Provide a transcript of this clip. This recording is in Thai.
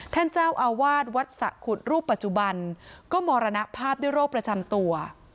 ท่านเจ้าอาวาสวัดสะขุดรูปปัจจุบันก็มรณภาพด้วยโรคประจำตัว